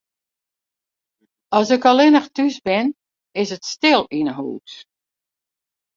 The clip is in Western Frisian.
As ik allinnich thús bin, is it stil yn 'e hús.